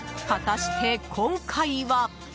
果たして、今回は。